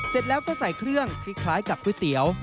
เสร็จแล้วก็ใส่เครื่องคล้ายกับก๋วยเตี๋ยว